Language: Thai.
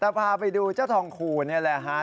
พาไปดูเจ้าทองคูณนี่แหละฮะ